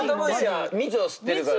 蜜を吸ってるから。